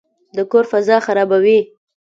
د کور فضا خرابوي.